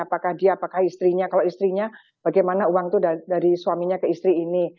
apakah dia apakah istrinya kalau istrinya bagaimana uang itu dari suaminya ke istri ini